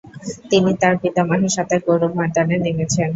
তিনি তার পিতামহের সাথে গৌরব ময়দানে নেমেছেন।